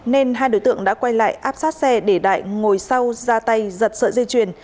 nên hai đối tượng đã quay lại áp sát xe để đại ngồi sau ra tay giật sợi dây chuyền